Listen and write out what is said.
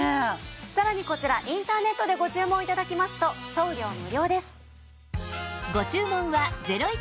さらにこちらインターネットでご注文頂きますと送料無料です。